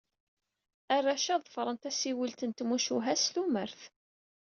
Arrac-a ḍefren tasiwelt n tmucuha s tumert.